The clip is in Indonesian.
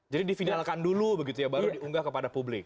jadi difinal kan dulu begitu ya baru diunggah kepada publik